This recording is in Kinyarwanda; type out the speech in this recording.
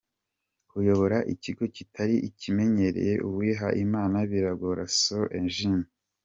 Kuyobora ikigo kitari kimenyereye uwihaye Imana biragora– Soeur Eugenie.